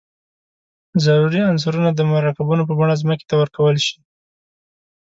ضروري عنصرونه د مرکبونو په بڼه ځمکې ته ورکول شي.